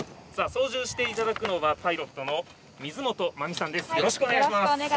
操縦をしていただくのはパイロットの水本麻美さんです。